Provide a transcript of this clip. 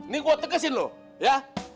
nih gua tekesin lu ya